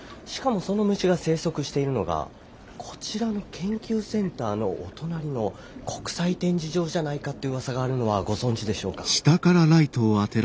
しかもその虫が生息しているのがこちらの研究センターのお隣の国際展示場じゃないかってうわさがあるのはご存じでしょうか。